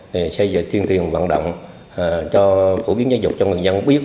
để xây dựng tiền tiền vận động cho phổ biến giáo dục cho người dân biết